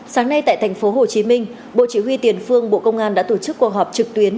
sáng nay tại thành phố hồ chí minh bộ chỉ huy tiền phương bộ công an đã tổ chức cuộc họp trực tuyến